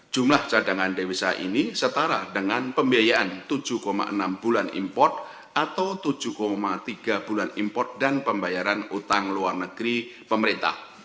jumlah cadangan dewisa ini setara dengan pembiayaan tujuh enam bulan import atau tujuh tiga bulan import dan pembayaran utang luar negeri pemerintah